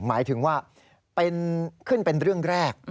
หมายถึงว่าขึ้นเป็นเรื่องแรก